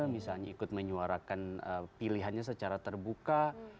misalnya ikut menyuarakan pilihannya secara terbuka